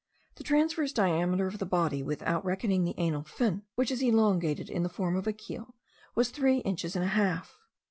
The transverse diameter of the body, without reckoning the anal fin, which is elongated in the form of a keel, was three inches and a half.